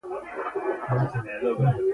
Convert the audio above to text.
د ولیعهد د ټاکلو سره مخالف وو.